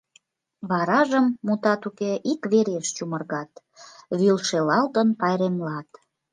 Варажым, мутат уке, иквереш чумыргат, вӱлшелалтын пайремлат.